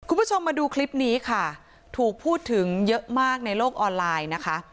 คุณผู้ชมมาดูคลิปนี้ค่ะถูกพูดถึงเยอะมากในโลกออนไลน์นะคะ